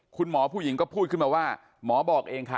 คุณหมอผู้หญิงก็พูดขึ้นมาว่าหมอบอกเองค่ะ